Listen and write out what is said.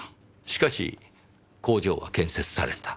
しかし工場は建設された。